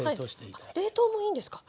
あっ冷凍もいいんですか？